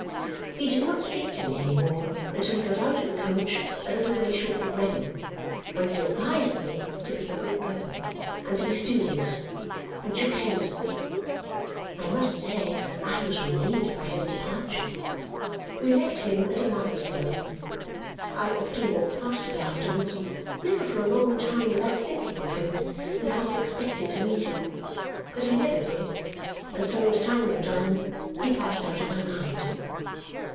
He did not speak to me any more until he got out of the coach a little way short of Reading, when he advised me to be a good girl and to be studious, and shook hands with me. I must say I was relieved by his departure. We left him at a milestone. I often walked past it afterwards, and never for a long time without thinking of him and half expecting to meet him. But I never did; and so, as time went on, he passed out of my mind.